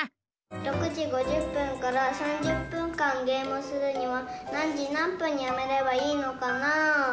６時５０分から３０分間ゲームするには何時何分にやめればいいのかなぁ？